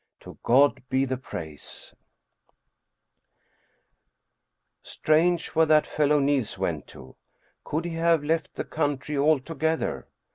To God be the praise ! Strange, where that fellow Niels went to! Could he have left the country altogether?